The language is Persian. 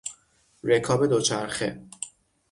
رکاب دوچرخه